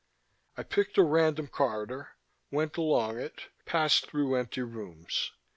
I picked a random corridor, went along it, passed through empty rooms.